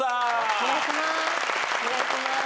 お願いします。